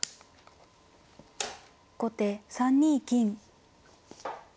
後手３二金。